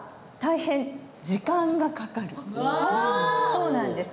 そうなんです。